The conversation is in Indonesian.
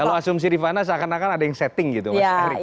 kalau asumsi rifana seakan akan ada yang setting gitu mas heri